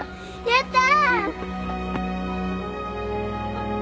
やった！